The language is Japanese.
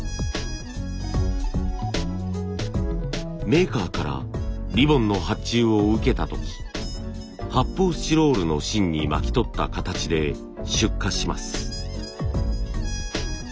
メーカーからリボンの発注を受けた時発砲スチロールの芯に巻きとった形で出荷します。